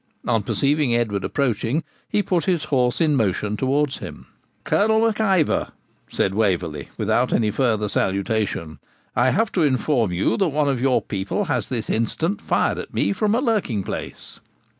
On perceiving Edward approaching, he put his horse in motion towards him. 'Colonel Mac Ivor,' said Waverley, without any farther salutation, 'I have to inform you that one of your people has this instant fired at me from a lurking place.'